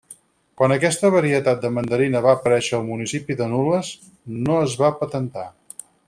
Quan aquesta varietat de mandarina va aparèixer al municipi de Nules, no es va patentar.